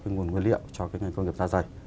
cái nguồn nguyên liệu cho cái ngành công nghiệp da dày